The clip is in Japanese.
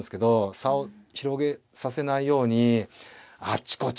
差を広げさせないようにあっちこっち